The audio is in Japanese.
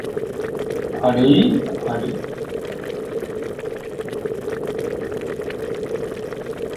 最も無力なる私は私自身にたよる外の何物をも持っていない。